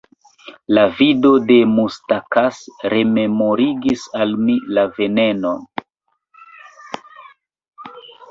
La vido de Mustakas rememorigis al mi la venenon.